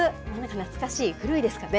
懐かしい、古いですかね。